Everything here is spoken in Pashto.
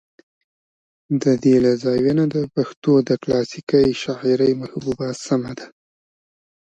د دې له زاويې نه د پښتو د کلاسيکې شاعرۍ محبوبه سمه ده